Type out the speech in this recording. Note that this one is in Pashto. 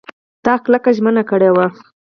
تا کلکه ژمنه کړې وه !